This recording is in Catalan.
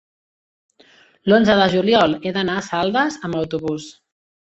l'onze de juliol he d'anar a Saldes amb autobús.